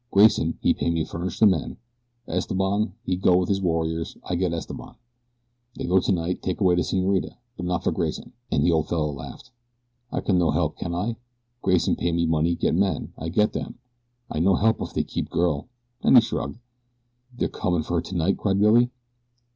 "Grayson he pay me furnish the men. Esteban he go with his warriors. I get Esteban. They go tonight take away the senorita; but not for Grayson," and the old fellow laughed. "I can no help can I? Grayson pay me money get men. I get them. I no help if they keep girl," and he shrugged. "They're comin' for her tonight?" cried Billy.